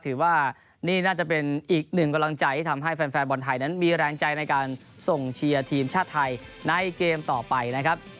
ถือว่านี่น่าจะเป็นอีกหนึ่งกำลังใจที่ทำให้แฟนบอลไทยนั้นมีแรงใจในการส่งเชียร์ทีมชาติไทยในเกมต่อไปนะครับ